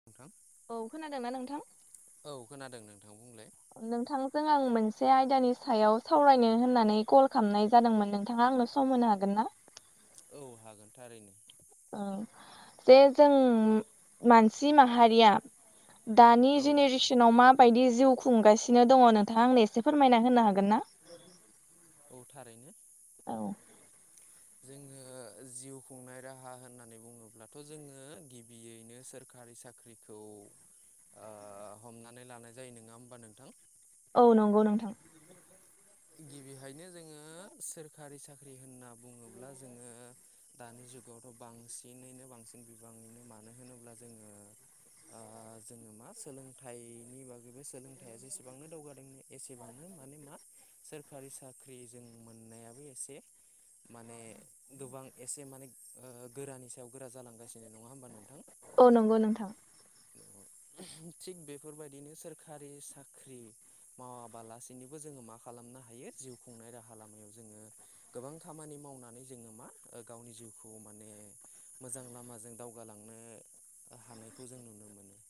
श [inaudible] औ खोनादोंना नोंथां औ खोनादों नोंथां बुंलाय नोंथांजों आं मोनसे आयदानि सायाव सावरायनो होननानै कल खालामनाय जादोंमोन नोंथाङा आंनो सम होनो हागोन ना औ हागोन थारैनो ओ जे जों मानसि माहारिया दानि जेनेरि- टेनाव माबायदि जिउ खुंगासिनो दङ नोंथाङा आंनो एसे फोरमायना होनो हागोन ना औ थारैनो औ जोङो जिउ खुंनाय राहा होननानै बुङोब्लाथ' जोङो गिबियैनो सोरखारि साख्रि खौ हमनानै लानाय जायो नङा होमबा नोंथां औ नंगौ नोंथां गिबिहायनो जोङो सोरखारि साख्रि होनना बुङोब्ला जोङो दानि जुगावथ' बांसिनैनो बांसिन बिबाङैनो मानो होनोब्ला जोङो आ जोङो मा सोलोंथाइनि बागैबो सोलोंथाइया जेसेबांनो दावगादोंनि एसेबांनो माने मा सोरखारि साख्रि जों मोननायाबो एसे माने गोबां एसे माने ओ गोरानि सायाव गोरा जालांगासिनो नङा होमबा नोंथां औ नंगौ नोंथां औ थिग बेफोरबायदिनो सोरखारि साख्रि मावाबालासिनोबो जोङो मा खालामनो हायो जिउ खुंनाय राहा लामायाव जोङो गोबां खामानि मावनानै जोङो मा गावनि जिउखौ माने मोजां लामाजों दावगालांनो हानायखौ जों नुनो मोनो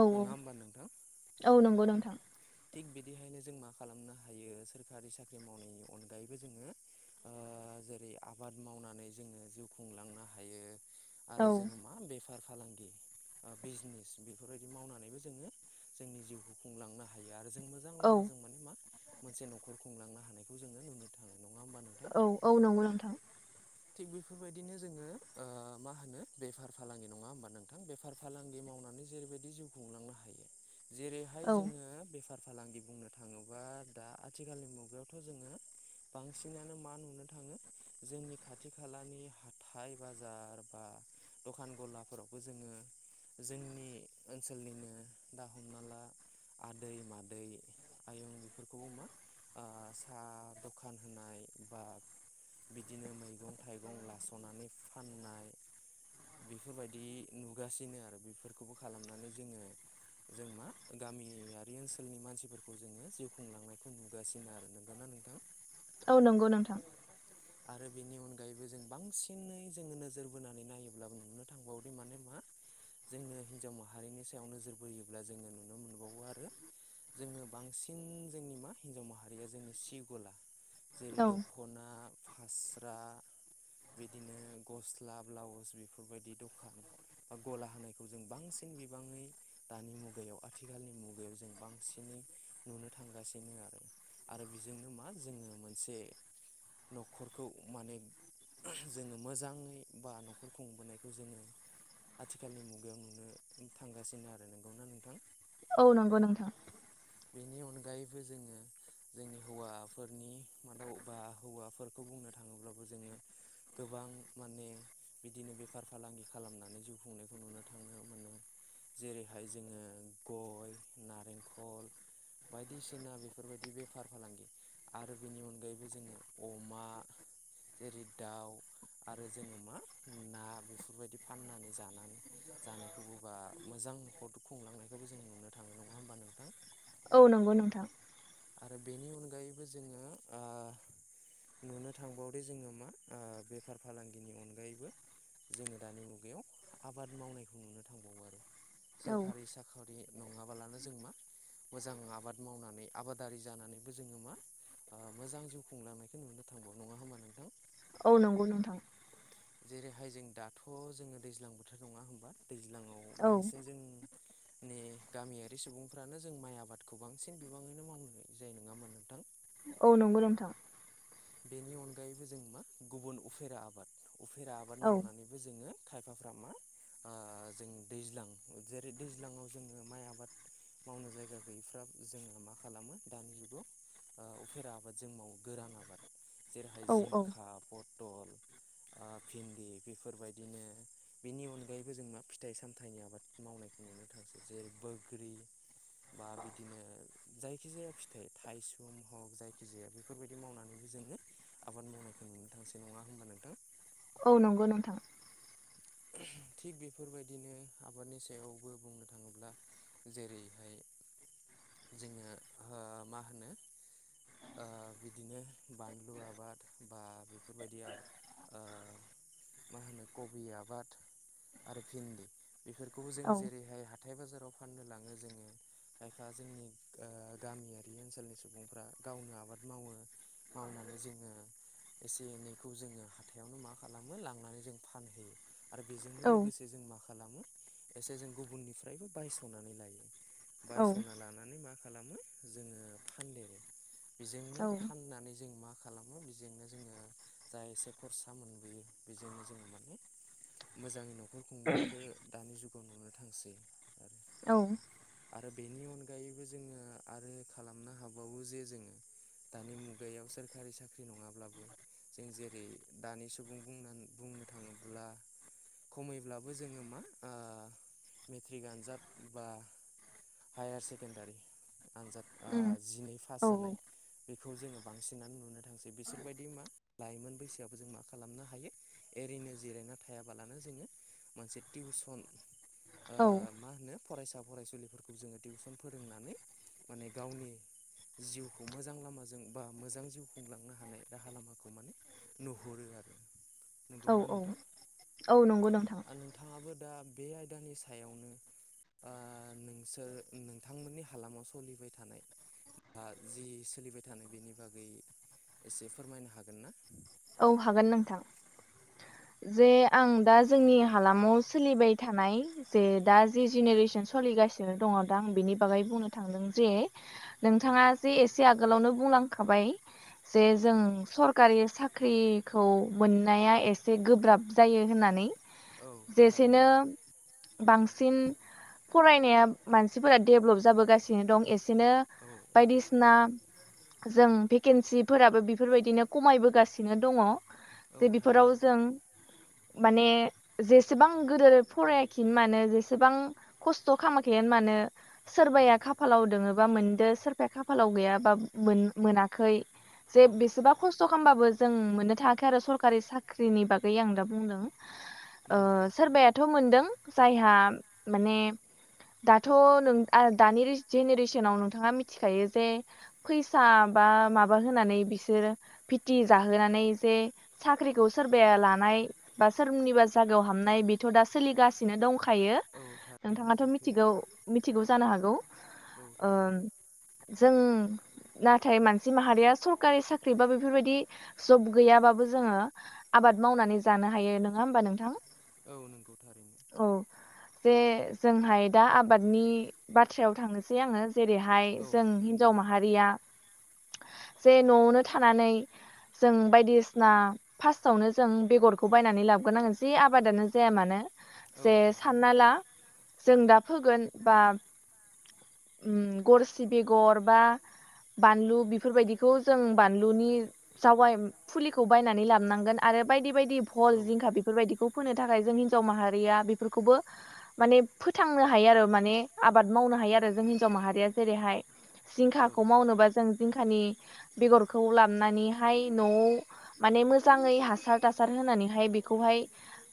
औ औ औ नंगौ नोंथां थिग बिदिहायनो जों मा खालामनो हायो सोरखारि साख्रि मावनायनि अनगायैबो जोङो ओ जेरै आबाद मावनानै जोङो जिउ खुंलांनो हायो आरो जोङो म मा बेफार फालांगि बिजनेस बेफोरबायदि मावनानैबो जोङो जोंनि जिउखौ खुंलांनो हायो आरो जों मोजां लामाजों माने मा मोनसे न'खर खुंलांनो हानायखौ जोङो नुनो थाङो नङा होमबा नोंथां [inaudible] थिग बेफोरबायदिनो जोङो ओ मा होनो बेफार फालांगि नङा होमबा नोंथां बेफार फालांगि मावनानै जेरैबायदि जिउ खुंलांनो हायो [inaudible] जेरैहाय जोङो बेफार फालांगि बुंनो थाङोबा दा आथिखालनि मुगायावथ' जोङो बांसिनानो मा नुनो थाङो जोंनि खाथि खालानि हाइ बाजार बा दखान गलाफोरावबो जोङो जोंनि ओनसोलनिनो ना हमना ला दैमादै आयं बेफोरखौबो मा आ साहा दखान होनाय बा बिदिनो मैगं थाइगं लास'नानै फाननाय बेफोरबायदि नुगासिनो आरो बेफोरखौबो खालामनानै जोङो जों मा गामिया ओनसोलनि मानसिफोरखौ जोङो जिउ खुंलांनायखौ नुगासिनो आरो नोंगौना नोंथां? औ नंगौ नोंथां आरो बेनि अनगायैबो जों बांसिनै जोङो नोजोर बोनानै नायोब्लाबो नुनो थांबावदि माने मा जोङनो हिनजाव माहारिनि सायाव नोजोर बोयोब्ला जोङो नुनो मोनबावो आरो जोङो बांसिन जोंनि मा हिनजाव माहारिया जोंनि सि गला जेरै दख'ना हास्रा बिदिनो गस्ला ब्लाउस बेफोरबायदि दखान बा गला होनायखौ जों बांसिन बिबाङै दानि मुगायाव आथिखालनि मुगायाव जों बांसिनै नुनो थांगासिनो आरो आरो बेजोंनो मा जोङो मोनसे न'खरखौ माने जोङो मोजाङै बा न'खर खुंबोनायखौ जोङो आथिखालनि मुगायाव नुनो थांगासिनो आरो नोंगौना नोंथां? औ नंगौ नोंथां। बेनि अनगायैबो जोङो जोंनि हौवाफोरनि माव बा हौवाफोरखौ बुंनो थाङोब्लाबो जोङो गोबां माने बिदिनो बेफार फालांगि खालामनानै जिउ खुंनायखौ नुनो थानो मोनो जेरैहाय जोङो गय नारेंखल बायदिसिना बेफोरबायदि बेफार फालांगि आरो बेनि अनगायैबो जोङो अमा जेरै दाउ आरो जोङो मा ना बेफोरबायदि फाननानै जानानै जानायखौबो बा मोजां न'खर खुंलांनायखौबो जों नुनो थाङो नङा होमबा नोंथां? औ नंगौ नोंथां। आरो बेनि अनगायैबो जोङो ओ नुनो थांबावदे जोङो मा ओ बेफार फालांगिनि अनगायैबो जोङो दानि मुगायाव आबाद मावनायखौ नुनो थाङो। [inaudible] सोरखारि साखरि नङाबालानो जों मा मोजां आबाद मावनानै आबादारि जानानैबो जोङो मा आ मोजां जिउ खुंलांनायखौ नुनो थांबौ नङा होमबा नोंथां? औ नंगौ नोंथां। जेरैहाय जों दाथ' जोङो दैज्लां बोथोर नङा होमबा दैज्लांआव बांसिन जोंनि गामियारि सुबुंफ्रानो जों माइ आबादखौ बांसिन बिबाङैनो मावनाय जानाय नङामोन नोंथां? औ नंगौ नोंथां। बेनि अनगायैबो जों मा गुबुन उफेरा आबाद उफेरा आबाद मावनानै जोङो खायफाफ मा आ जों दैज्लां जेरै दैज्लांआव जोङो माइ आबाद मावनो जायगा गैयिफ्रा जोङो मा खालामो दानि जुगाव ओ उफेरा आबाद जों मावो गोरान आबाद जेरैहाय जिंखा पथल आ भिन्दि बेफोरबायदिनो बेनि अनगायैबो जों फिथाइ सामथाइनि आबाद मावनायखौ नुनो थांसै जेरै बग्रि बा बिदिनो जायखि जाया फिथाइ थाइसुम हग जायखि जाया बेफोरबायदि मावनानैबो जोङो आबाद मावनायखौ नुनो थांसो नङा होमबा नोंथां? औ नंगौ नोंथां। थिग बेफोरबायदिनो आबादनि सायावबो बुंनो थाङोब्ला जेरैहाय जोङो ओ मा होनो ओ बिदिनो बानलु आबाद बा बेफोरबायदि आबाद ओ मा होनो कबि आबाद आरो भिन्दि बेफोरखौबो जों जेरैहाय हाथाय बाजाराव फाननो लाङो जोङो बा जोंनि ओ गामियारि ओनसोलनि सुबुंफ्रा गावनो आबाद मावो मावनानै जोङो एसे एनैखौ जोङो हाथायावनो मा खालामो लांनानै जों फानहोयो। आरो बेजोंनो लोगोसे जों मा खालामो एसे जों गुबुननिफ्रायबो बायस'नानै लायो। बायसना लानानै मा खालामो जोङो फानदेरो। बेजोंनो फाननानै जों मा खालामो बेजोंनो जोङो जा एसे खरसा मोनबोयो बेजोंनो जोङो माने मोजाङै न'खर खुंबोनायखौ दानि जुगाव नुनो थांसै औ आरो बेनि अनगायैबो जोङो आरो खालामनो हाबावो जे जोङो दानि मुगायाव सोरखारि साख्रि नङाब्लाबो जों जेरै दानि सुबुं बुंनानै बुंनो थाङोब्ला खमैब्लाबो जोङो मा ओ मेट्रिक आनजाद बा हायार सेकेणडारि आनजाद जिनै पास जानाय बेखौ जोङो बांसिनानो नुनो थांसै बिसोरबायदि मा लाइमोन बैसोआबो जों मा खालामनो हायो एरैनो जिरायना थायाबालानो जोङो मोनसे टिउसन ओ मा होनो फरायसा फरायसुलिफोरखौ जोङो टिउसन फोरोंनानै माने गावनि जिउखौ मोजां लामाजों बा मोजां जिउ खुंलांनो हानाय राहा लामाखौ खौ माने नुहरो आरो। औ औ औ नंगौ नोंथां। नोंथाङाबो दा बे आयदानि सायावनो नोंसोर नोंथांमोननि हालामाव सोलिबाय थानाय दा जि सोलिबाय थानायानो बेनि बागै एसे फोरमायनो हागोन ना? औ हागोन नोंथां जे आं दा जोंनि हालामाव सोलिबाय थानाय जे दा जि जेनेरेसन सलिगासिनो दङ दा आं बेनि बागै बुंनो थांदों जे नोंथाङा जे एसे आगोलावनो बुंलांखाबाय जे जों सरकारि सा ख्रिखौ मोननाया एसे गोब्राब जायो होननानै औ थारैनो बांसिन फरायनाया मानसिफोरा दडेभलप जाबोगासिनो दं एसेनो बायदि ना जों भेकेन्सिफोराबो बेफोरबायदिनो खमायबोगासिनो दङ जे बेफोराव जों माने जेसेबां गोदोर फरायाखिनो मानो जेसेबां खस्थ' खालामाखैयानो मानो सोरबाया खाफालाव दोङोबा मोनदो सोरबाया खाफालाव गैयाबा मोनाखै जे बेसेबा खस्थ' खालामबाबो जों मोननो थाङाखै आरो सरकारि सा साख्रिनि बागै आं दा बुंदों ओ सोरबाया थ' मोनदों जायहा माने दाथ' नों दानि जेनेरेसनाव नोंथाङा मिथिखायो जे फैसा बा माबा होनानै बिसोरो फिटि जाहोनानै जे साख्रिखौ सोरबाया लानाय बा सोरनिबा जागायाव हाबनाय बेथ' दा सोलिगासिनो दंखायो नोंथाङाथ' मिथिगौ मिथिगौ जानो हागौ ओम जों नाथाय मानसि माहारिया सरकारि साख्रि बा बेफोरबायदि जब गैयाबाबो जोङो आबाद मावनानै जानो हायो नोंङा होमबा नोंथां औ नंगौ थारैनो औ जे जोंहाय दा आबादनि बाथ्रायाव थांनोसै आङो जेरैहाय जों हिन्जाव माहारिया जे न'आवनो थानानै जों बायदिसिना फार्स्टावनो जों बेगरखौ बायनानै लाबोग्रोनांगोन जि आबादानो जाया मानो जे हना ला जों दा फोगोन बा। गरसि बेगर बा। बानलु बेफोरबायदिखौ जों बानलुनि जावाय फुलिखौ बायनानै लाब। खालामनांगोन आरो बायदि बायदि भल जिंखा बेफोरबायदिखौ फोनो थाखाय जों हिनजाव माहारिया बेफोरखौबो। माने फोथांनो हायो आरो माने आबाद मावनो हायो आरो जों हिन्जाव माहारिया जेरैहाय। जिंखाखौ मावनोबा जों। जिंखानि। मोजाङै हासार थासार होनानैहाय बेखौहाय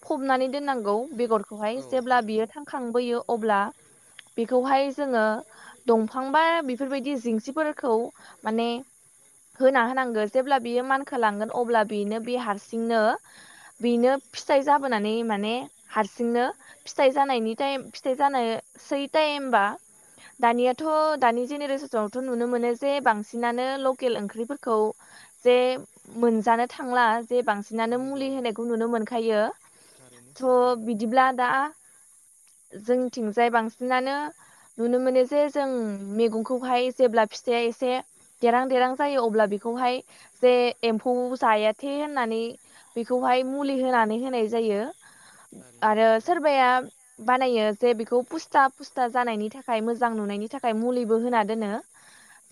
फबनानै दोननांगौ। बेगरखौहाय जेब्ला बियो थांखांबोयो अब्ला बेखौहाय जोङो। दंफां बा बेफोरबायदि जिंसिफोरखौ माने। होना होनांगो जेब्ला बियो मानखोलांगोन अब्ला बेनो बे हारसिंनो। बेनो फिथाइ जाबोनानै माने हारसिंनो। फिथाइ जानायनि टाइम फिथाइ जानोसै टाइमबा। दानियाथ' दानि जेनेरेसनावथ' नुनो मोनो जे बांसिनानो लकेल ओंख्रिफोरखौ। जे मोनजानो थांला जे बांसिनानो मुलि होनायखौ नुनो मोनखायो। थ' बिदिब्ला दा जोंथिंजाय बांसिनानो। नुनो मोनो जे जों मैगंखौहाय जेब्ला फिथया एसे। देरां देरां जायो अब्ला बेखौहाय जे एम्फौ। जायाथे होननानै बेखौहाय मुलि होनानै होनाय जायो। आरो सोरबाया बानायो जे बेखौ फुस्ताब। खस्था जानायनि थाखाय मोजां।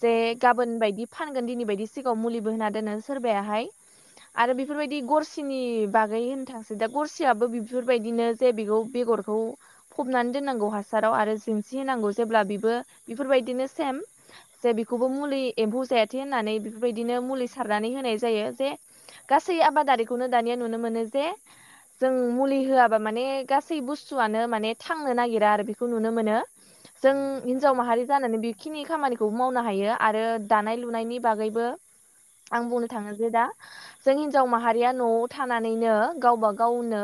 जे गाबोन बायदि फानगोन दिनै बायदि सिगाङाव मुलिबो होना दोनो सोरबायााहाय। आरो बेफोरबायदि गरसेनि बागै होननो थांसै दा गरसेयाबबो बेफोरबायदिनो जे बेखौ बेगरखौ। फबनानै दोननांगौ हासाराव आरो जेंसि होनांगौ जेब्ला बेबो बेफोरबायदिनो सेम। जे बेखौबो मुलि एम्फौ जायाथै होननानै बेफोरबायदिनो मुलि सारनानै होनाय जायो। जे गासै आबादारिखौनो दानिया नुनो मोनो जे। जों मुलि होआबा माने गासै बुस्थुआनो माने थांनो नागिरा आरो बेखौ नुनो मोनो। जों हिनजाव माहारि जानानै बि। बे खिनि खामानिखौ मावनो हायो आरो दानाय लुनायनि बागैबो आं बुंनो थाङो जे दा। जों हिनजाव माहारिया न'आव थानानैनो गावबा गावनो।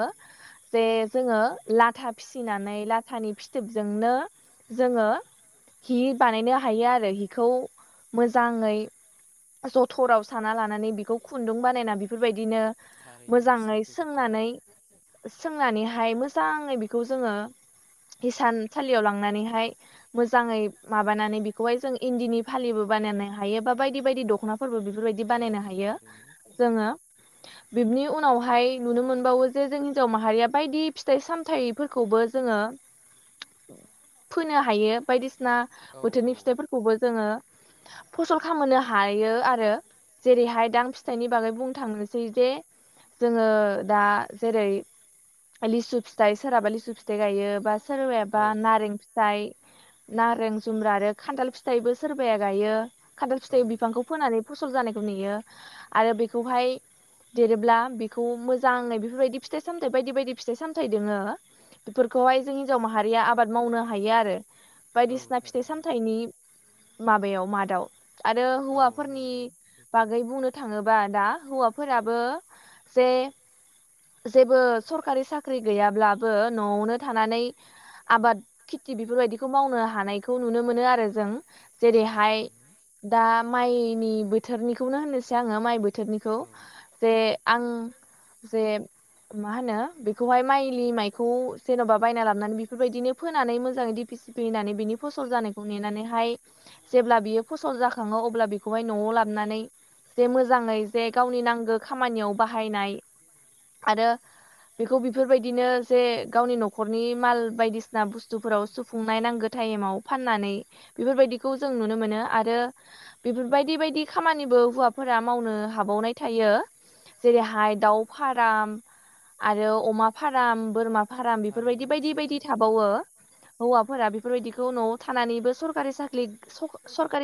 जे जोङो लाथा फिसिनानै लाथानि फिथोबजोंनो। जोङो हि बानायनो हायो आरो हिखौ मोजाङै। जथराव साना लानानै बेखौ खुन्दुं बानायना बेफोरबायदिनो। मोजाङै सोंनानै। सोंनानैहाय मोजाङै बेखौ जोङो हिसानसालियाव। मोजाङै माबानानै बेखौहाय जों इन्दिनि फालिबो बानायनो हायो बा बायदि बायदि दख'नाफोरबो बेफोरबायदि। बिदि बानायनो हायो जोङो। बिनि उनावहाय नुनो मोनबावो जे जों हिनजाव माहारिया बायदि फिथाइ सामथफोर। खौबो जोङो फोनो हायो बायदिसिना बोथोरनि फिथाइ। खौबो जोङो फसल खामनो हायो आरो जेरैहाय दा। फिथाइनि बागै बुंनो थांनोसै जे जोङो दा जेरै। लिसु फिथाइ सोरहाबा लिसु फिथायाइ गायो बा सोरबायाबा नारें। फिथाइ नारें जुमब्रा आरो खान्थाल फिथाइबो सोरबाया गायो खान्थाल फिथाइ बिफांखौ। फोनानै फसल जानायखौ नुयो आरो बेखौहाय। देरोब्ला बेखौ मोजाङै बेफोरबायदि फिथाइ सामथाइ बायदि बायदि फिथाइ सामथाइ दोङो। बेफोरखौहाय जों हिन्जाव माहारिया आबाद मावनो हायो आरो। बायदिसिना फिथाइ सामथाइनि माबायाव मादाव। आरो हौवाफोरनि बागै बुंनो थाङोबा दा हौवाफोराबो जे जेबो सरखारि साख्रि गैयाब्लाबो न'आवनो थानानै आबाद खिथि बेफोरबायदिखौ मावनो हानायखौ नुनो मोनो आरो जों जेरैहाय दा माइनि बोथोरनिखौनो होनोै एसे आङो माइ बोथोरनिखौ जे आं जे मा होनो बेखौहाय माइलि माइखौ जेन'बा बायना लाबानै बेफोरबायदिनो फोनानै मोजाङै दिपिसि फैनानै बिनि फसल जानायखौ नेनानैहाय जेब्ला बियो फसल जाखङो अब्ला बेखौहाय न'आव लाबोनानै जे मोजाङै जे गावनि नांगौ खामानियाव बाहायनाय आरो बेखौ बेफोरबायदिनो जे गावनि न'खरनि माल बायदिसिना बुस्थुफोराव सुु खुंनाय नांगौ टाइमाव फाननानै बेफोरबायदिखौ जों नुनो मोनो आरो बेफोरबायदि बायदि खामानिबो हुव फोर मावनो हाबावनाय थायो। जेरैहाय दाउ फाराम, आरो अमा फाराम, बोरमा फाराम बेफोरबायदि बायदि बायदि थाबावो हौवाफोरा बेफोरबायदिखौ न'आव थानानैबो सरकारि साख्रि सरकारि